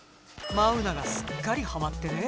マウナがすっかりはまってね。